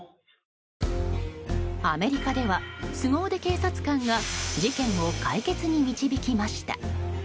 アメリカではすご腕警察官が事件を解決に導きました。